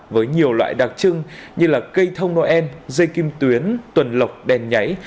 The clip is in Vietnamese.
với nhiều loại đặc trưng như cây thông noel dây kim tuyến tuần lọc đèn nháy